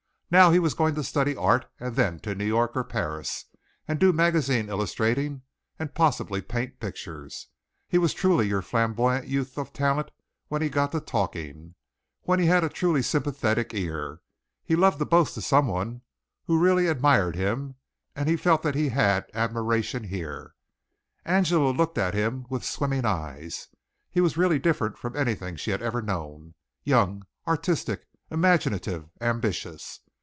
Now he was going to study art and then to New York or Paris, and do magazine illustrating and possibly paint pictures. He was truly your flamboyant youth of talent when he got to talking when he had a truly sympathetic ear. He loved to boast to someone who really admired him, and he felt that he had admiration here. Angela looked at him with swimming eyes. He was really different from anything she had ever known, young, artistic, imaginative, ambitious.